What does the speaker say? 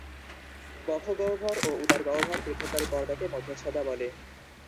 বক্ষগহ্বর ও উদারগহ্বর পৃথককারী পর্দাকে মধ্যচ্ছদা বলে।